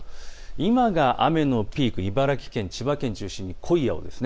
今が雨のピーク、茨城県、千葉県を中心に濃い青です。